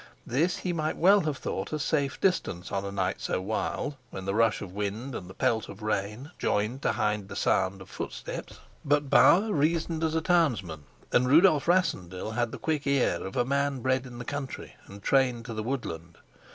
This he might well have thought a safe distance on a night so wild, when the rush of wind and the pelt of the rain joined to hide the sound of footsteps. But Bauer reasoned as a townsman, and Rudolf Rassendyll had the quick ear of a man bred in the country and trained to the woodland.